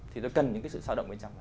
thì tôi cần những sự sao động bên trong